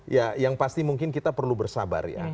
ya yang pasti mungkin kita perlu bersabar ya